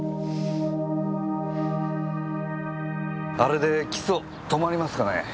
あれで起訴止まりますかね？